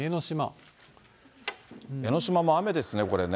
江の島も雨ですね、これね。